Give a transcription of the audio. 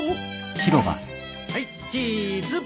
はいチーズ。